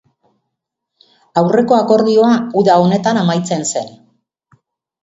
Aurreko akordioa uda honetan amaitzen zen.